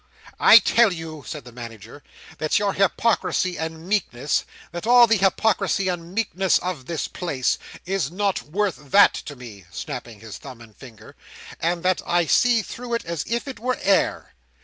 "I tell you," said the Manager, "that your hypocrisy and meekness—that all the hypocrisy and meekness of this place—is not worth that to me," snapping his thumb and finger, "and that I see through it as if it were air!